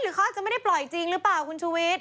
หรือเขาจะไม่ได้ปล่อยจริงหรือเปล่าคุณชุวิต